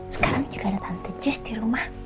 sekarang juga ada tante jes di rumah